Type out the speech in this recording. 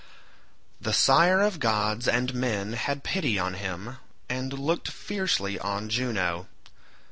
The sire of gods and men had pity on him, and looked fiercely on Juno.